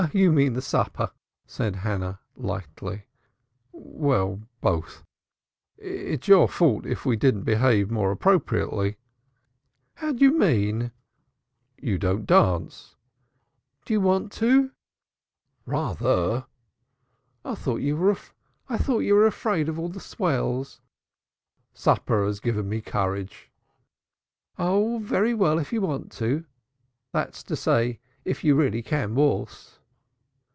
"You mean the supper," Hannah said lightly. "Well, both. It's your fault that we don't behave more appropriately." "How do you mean?" "You won't dance." "Do you want to?" "Rather." "I thought you were afraid of all the swells." "Supper has given me courage." "Oh, very well if you want to, that's to say if you really can waltz."